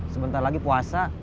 sebentar lagi puasa